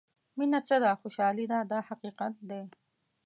مینه څه ده خوشالۍ ده دا حقیقت دی.